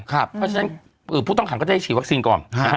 เพราะฉะนั้นผู้ต้องขังก็จะได้ฉีดวัคซีนก่อน